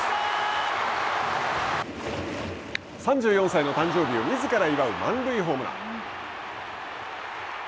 ３４歳の誕生日をみずから祝う満塁ホームラン。